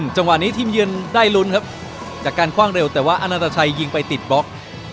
จังหวะนี้ทีมเยือนได้ลุ้นครับจากการคว่างเร็วแต่ว่าอนาตาชัยยิงไปติดบล็อก